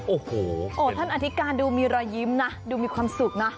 โอ้โหท่านอธิการดูมีรอยยิ้มนะดูมีความสุขนะ